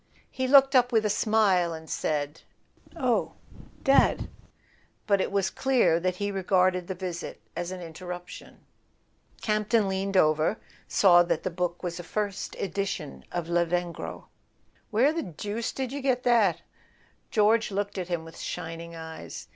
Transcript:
He looked up with a smile, and said: "Oh, Dad . .but it was clear that he regarded the visit as an interruption. Camp ton, leaning over, saw that the book was a first edition of Lavengro. "Where the deuce did you get that?" George looked at him with shining eyes.